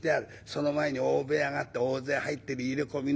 その前に大部屋があって大勢入ってる入れ込みの。